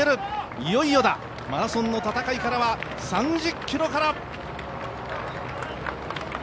いよいよだ、マラソンの戦いは３０ｋｍから。